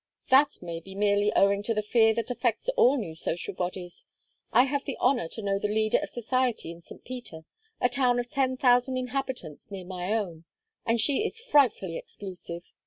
"That may be merely owing to the fear that affects all new social bodies. I have the honor to know the leader of society in St. Peter a town of ten thousand inhabitants near my own and she is frightfully exclusive.